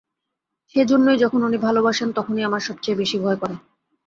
সেই জন্যেই যখন উনি ভালোবাসেন তখনই আমার সব চেয়ে বেশি ভয় করে।